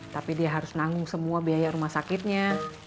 tapi dia harus nanggung semua biaya rumah sakitnya